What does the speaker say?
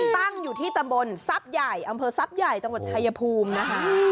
ตั้งอยู่ที่ตำบลทรัพย์ใหญ่อำเภอทรัพย์ใหญ่จังหวัดชายภูมินะคะ